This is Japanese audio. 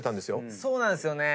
そうなんですよね。